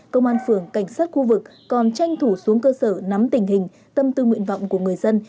công an phường cảnh sát khu vực còn tranh thủ xuống cơ sở nắm tình hình tâm tư nguyện vọng của người dân